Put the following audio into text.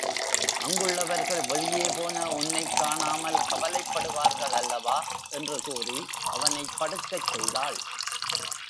அங்குள்ளவர்கள் வெளியே போன உன்னைக் காணாமல் கவலைப்படுவார்கள் அல்லவா? என்று கூறி அவனைப் படுக்கச் செய்தாள்.